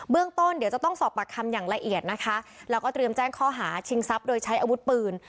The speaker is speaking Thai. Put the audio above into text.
เรื่องต้นเดี๋ยวจะต้องสอบปากคำอย่างละเอียดนะคะแล้วก็เตรียมแจ้งข้อหาชิงทรัพย์โดยใช้อาวุธปืน